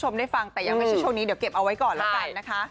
ไม่ใช่โชคนี้เดี๋ยวเก็บเอาไว้ก่อนแล้วกันนะคะ